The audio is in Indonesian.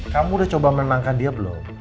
kamu udah coba memangkan dia belum